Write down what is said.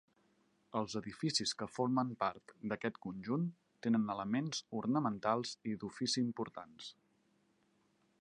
Els edificis que formen part d'aquest conjunt, tenen elements ornamentals i d'ofici importants.